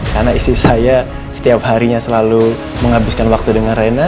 karena istri saya setiap harinya selalu menghabiskan waktu dengan reina